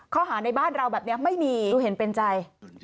ในบ้านเราแบบนี้ไม่มีดูเห็นเป็นใจ